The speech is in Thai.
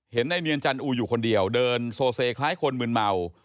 นายเนียนจันอูอยู่คนเดียวเดินโซเซคล้ายคนมืนเมา